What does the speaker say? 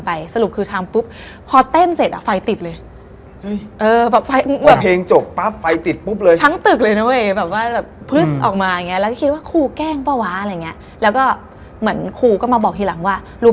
ผีกเขาไม่เลือกเวลาหรอก